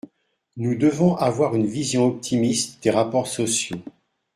Nous devons avoir une vision optimiste des rapports sociaux.